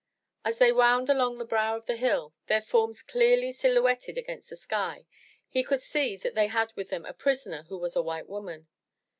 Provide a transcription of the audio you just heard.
As they wound along the brow of the hill, their forms clearly silhouetted against 371 MY BOOK HOUSE the sky, he could see that they had with them a prisoner who was a white woman.